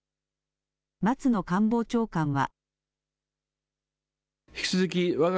松野官房長官は。